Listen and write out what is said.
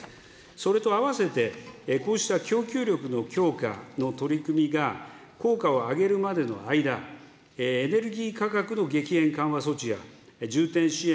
それとあわせて、こうした供給力の強化の取り組みが効果を上げるまでの間、エネルギー価格の激変緩和措置や重点支援